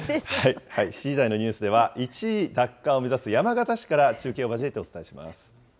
７時台のニュースでは、１位奪還を目指す山形市から中継を交えてお伝えします。